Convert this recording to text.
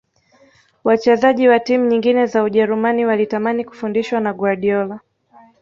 Wachezaji wa timu nyingine za ujerumani walitamani kufundishwa na guardiola